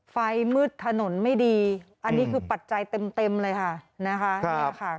ไฟมืดถนนไม่ดีอันนี้คือปัจจัยเต็มเลยค่ะ